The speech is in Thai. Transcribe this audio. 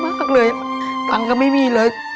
ภายในเวลา๓นาที